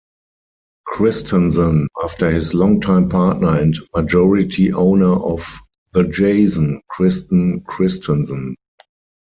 Christensen after his longtime partner and majority owner of the "Jason", Christen Christensen.